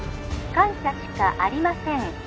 ☎感謝しかありません